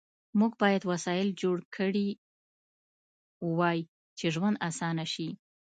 موږ باید وسایل جوړ کړي وای چې ژوند آسانه شي